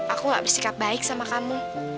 aku gak bersikap baik sama kamu